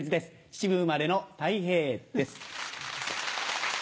秩父生まれのたい平です。